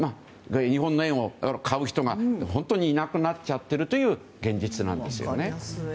日本の円を買う人が本当にいなくなっちゃってるという現実なんです。